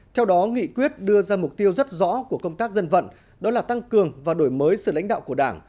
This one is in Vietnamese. theo đó nghị quyết đưa ra mục tiêu rất rõ của công tác dân vận đó là tăng cường và đổi mới sự lãnh đạo của đảng